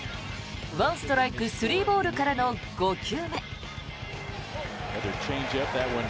１ストライク３ボールからの５球目。